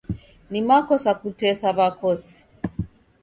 Ni makosa kutesa w'akosi.